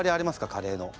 カレーの。